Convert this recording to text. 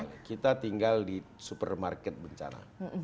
betul sekali kita tinggal di supermarket bencana